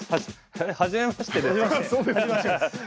はじめましてですよね？